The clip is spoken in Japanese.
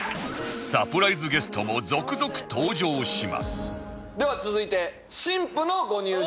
サプライズゲストも続々登場しますでは続いて。